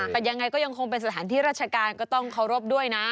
แต่ยังไงก็ยังคงเป็นสถานที่ราชการก็ต้องเคารพด้วยนะ